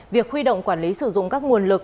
việc huy động quản lý sử dụng các nguồn lực